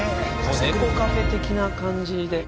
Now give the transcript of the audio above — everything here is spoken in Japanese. ネコカフェ的な感じで。